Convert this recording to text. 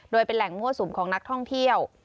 โดยเป็นแหล่งมั่วสุมของนักท่องเที่ยว